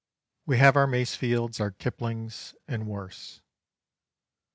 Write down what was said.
We have our Masefields, our Kiplings, and worse.